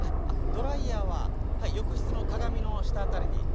あっドライヤーは浴室の鏡の下辺りに。